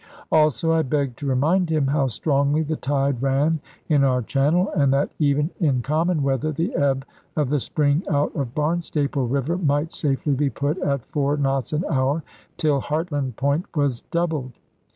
Also I begged to remind him how strongly the tide ran in our channel, and that even in common weather the ebb of the spring out of Barnstaple river might safely be put at four knots an hour, till Hartland point was doubled.